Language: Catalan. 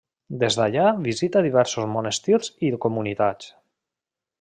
Des d'allà visita diversos monestirs i comunitats.